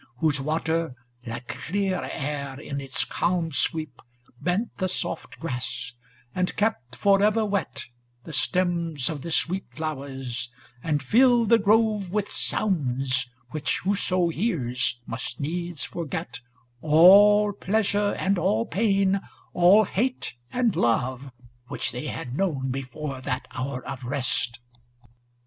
Whose water, like clear air, in its calm sweep ' Bent the soft grass, and kept forever wet The stems of the sweet flowers, and filled the grove With sounds which whoso hears must needs forget * All pleasure and all pain, all hate and love. Which they had known before that hour of rest.